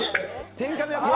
天カメが。